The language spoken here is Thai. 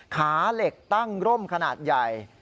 ขาเหล็กตั้งร่มขนาดใหญ่